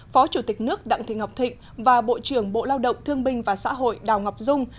phó chủ tịch nước đặng thị ngọc thịnh và bộ trưởng bộ lao động thương binh và xã hội đào ngọc dung